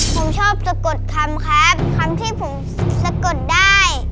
ผมชอบสะกดคำครับคำที่ผมสะกดได้